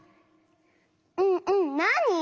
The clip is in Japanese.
うんうんなに？